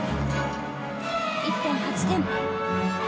１．８点。